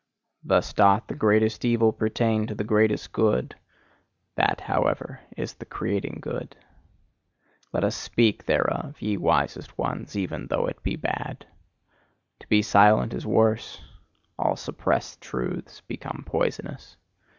Thus doth the greatest evil pertain to the greatest good: that, however, is the creating good. Let us SPEAK thereof, ye wisest ones, even though it be bad. To be silent is worse; all suppressed truths become poisonous.